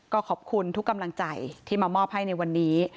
ก็ขอบคุณทุกกำลังใจที่มามอบให้ในวันนี้